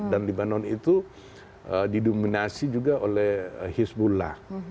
dan libanon itu didominasi juga oleh hezbollah